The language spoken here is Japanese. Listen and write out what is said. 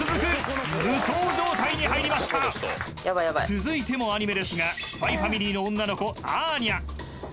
［続いてもアニメですが『ＳＰＹ×ＦＡＭＩＬＹ』の女の子アーニャ］